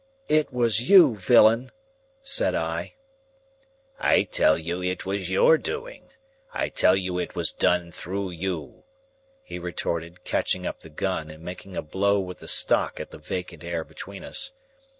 "It was you, villain," said I. "I tell you it was your doing,—I tell you it was done through you," he retorted, catching up the gun, and making a blow with the stock at the vacant air between us.